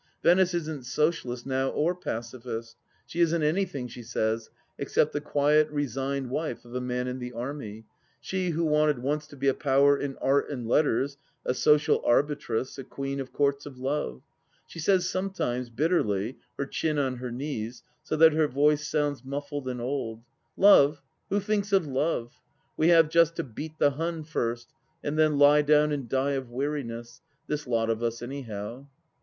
Venice isn't socialist now or Pacifist ; she isn't anything, she says, except the quiet resigned wife of a man in the army — she who wanted once to be a power in Art and Letters, a social arbitress, a Queen of Courts of Love. She says some times, bitterly, her chin on her knees, so that her voice sounds muffled and old :" Love, who thinks of Love ? We have just to beat the Hun first, and then lie down and die of weariness — ^this lot of us, anyhow."